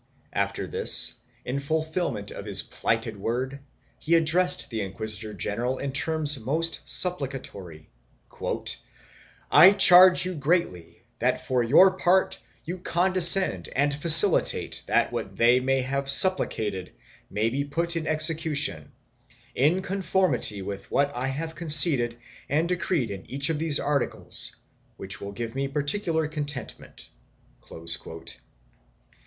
After this, in fulfilment of his plighted word, he addressed the inquisitor general in terms almost supplicatory "I charge you greatly that for your part you condescend and facilitate that what they have supplicated may be put in execution, in conformity with what I have con ceded and decreed in each of these articles, which will give me particular contentment."